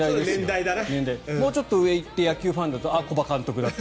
もうちょっと上行って野球行くと古葉監督だなと。